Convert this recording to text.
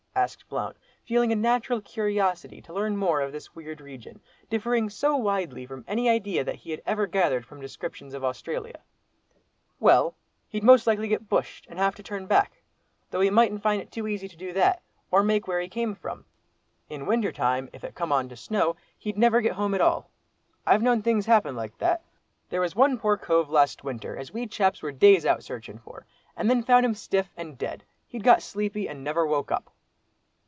asked Blount, feeling a natural curiosity to learn more of this weird region, differing so widely from any idea that he had ever gathered from descriptions of Australia. "Well, he'd most likely get bushed, and have to turn back, though he mightn't find it too easy to do that, or make where he come from. In winter time, if it come on to snow, he'd never get home at all. I've known things happen like that. There was one poor cove last winter, as we chaps were days out searchin' for, and then found him stiff, and dead—he'd got sleepy, and never woke up!"